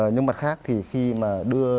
nhưng mặt khác thì khi mà đưa